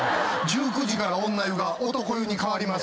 １９時から女湯が男湯に変わります。